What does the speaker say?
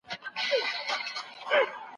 زه هره ورځ ليکنه کوم.